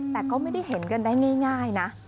แต่ก็ไม่ได้เห็นกันได้ง่ายนะ